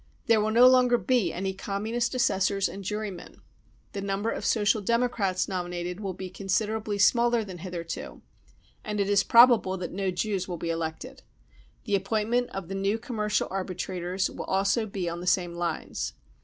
There will no longer be any Communist assessors and jurymen. The number of Social Democrats nominated will be considerably smaller than hitherto, and it is probable that no Jews will be elected. The appointment of the new commercial arbitrators will also be on the same lines.